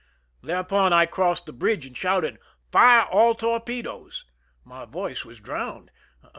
Thereupon I crossed the bridge and shouted :" Fire all torpedoes !" My voice was drowned.